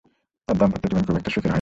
তার দাম্পত্য জীবন খুব একটা সুখের হয়নি।